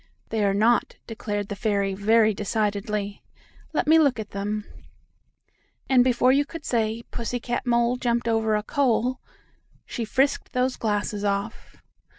"They are not," declared the fairy very decidedly. "Let me look at them," and before you could say "Pussy cat Mole jumped over a coal," she frisked those glasses off.